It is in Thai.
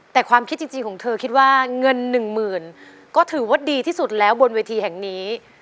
แต่ความคิดจริงของเธอคิดว่าเงินหนึ่งหมื่นก็ถือว่าดีที่สุดแล้วบนเวทีแห่งนี้